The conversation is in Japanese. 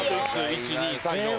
１２３４。